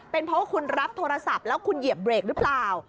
เป็นเพราะว่าคุณรับโทรศัพท์แล้วคุณเหยียบเบรกหรือเปล่า